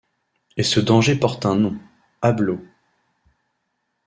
Et ce danger porte un nom: Abeloth.